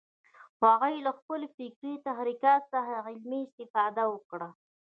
هغوی له خپلو فکري تحرکات څخه عملي استفاده وکړه